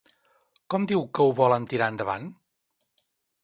Com diu que ho volen tirar endavant?